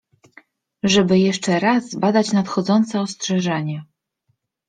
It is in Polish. żeby jeszcze raz zbadać nadchodzące ostrzeżenie.